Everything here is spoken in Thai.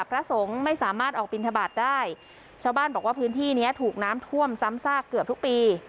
พระสงฆ์ไม่สามารถออกบินทบาทได้ชาวบ้านบอกว่าพื้นที่เนี้ยถูกน้ำท่วมซ้ำซากเกือบทุกปี